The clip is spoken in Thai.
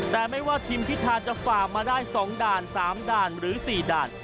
แต่ไม่ว่าทีมพิทธาจะฝากมาได้สองด่านสามด่านหรือสี่ด่าน